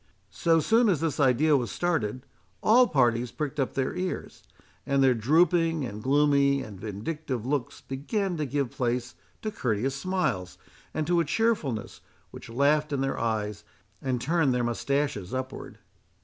So soon as this idea was started, all parties pricked up their ears; and their drooping, and gloomy, and vindictive looks began to give place to courteous smiles, and to a cheerfulness, which laughed in their eyes, and turned their mustaches upwards.